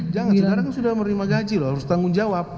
jangan sekarang sudah menerima gaji loh harus tanggung jawab